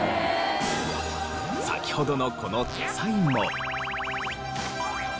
先ほどのこの手サインも。